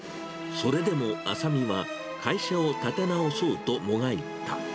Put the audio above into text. それでも浅見は会社を立て直そうともがいた。